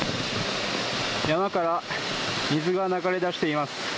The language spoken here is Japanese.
山から水が流れ出しています。